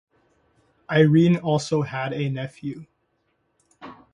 Irene also had a nephew.